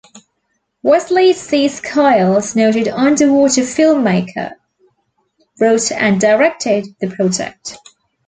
Wesley C. Skiles, noted underwater filmmaker, wrote and directed the project.